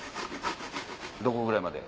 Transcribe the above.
どこぐらいまで？